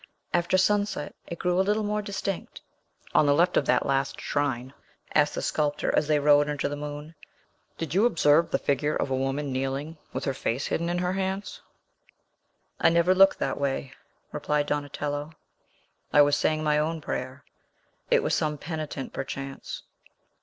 After sunset, it grew a little more distinct. "On the left of that last shrine," asked the sculptor, as they rode, under the moon, "did you observe the figure of a woman kneeling, with her, face hidden in her hands?" "I never looked that way," replied Donatello. "I was saying my own prayer. It was some penitent, perchance.